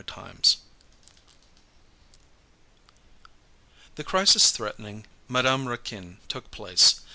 CHAPTER XXVI The crisis threatening Madame Raquin took place.